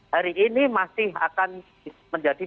hari ini masih akan menjadi